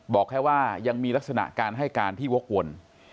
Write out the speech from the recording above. บอกแค่ว่ายังมีลักษณะการให้การที่วกวน